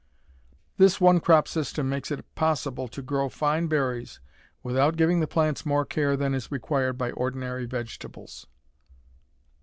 This one crop system makes it possible to grow fine berries without giving the plants more care than is required by ordinary vegetables.